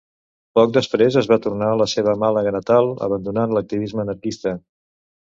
Poc després es va tornar a la seva Màlaga natal, abandonant l'activisme anarquista.